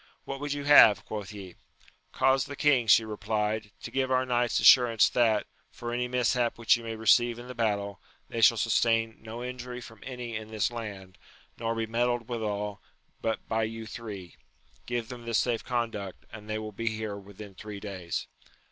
What would you have ? quoth he. Cause the king, she replied, to give our knights assu rance that, for any mishap which you may receive in the battle, they shall sustain no injury from any in this land, nor be meddled withal but by you three : give them this safe conduct, and they will be here within three days.